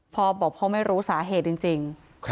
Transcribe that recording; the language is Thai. พอบอกพ่อไม่รู้สาเหตุจริงจริงค่ะ